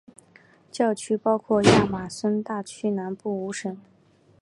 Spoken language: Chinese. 教区包括亚马孙大区南部五省。